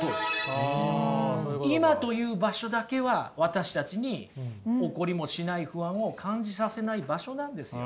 今という場所だけは私たちに起こりもしない不安を感じさせない場所なんですよ。